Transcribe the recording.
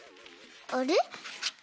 あれ？